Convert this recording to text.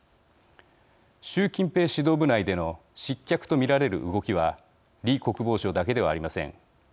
習近平指導部内での失脚と見られる動きは李国防相だけではありません。